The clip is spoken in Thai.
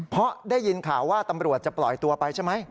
เพราะได้ยินข่าวว่าตำรวจจะปล่อยตัวไปใช่ไหม